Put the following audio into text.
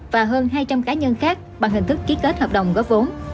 và hơn hai trăm linh cá nhân khác bằng hình thức ký kết hợp đồng góp vốn